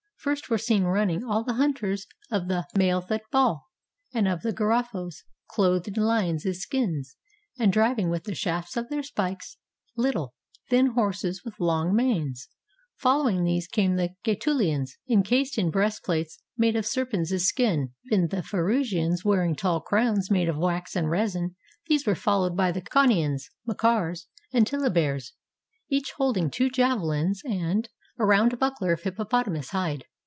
First were seen running all the hunters of the Malethut Baal and of the Garaphos, clothed in Hons' skins, and driving with the shafts of their pikes Httle, thin horses with long manes; following these came the Gaetulians, encased in breastplates made of serpents' skins; then the Pharusians, wearing tall crowns made of wax and resin ; these were followed by the Caunians, ^Macares, and Tillabares, each holding two javelins and a round buckler of hippopotamus hide.